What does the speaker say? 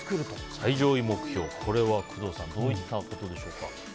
最上位目標、これは工藤さんどういったことでしょうか？